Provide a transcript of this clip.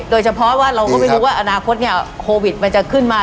โดยเฉพาะว่าเราก็ไม่รู้ว่าอนาคตโควิดมันจะขึ้นมา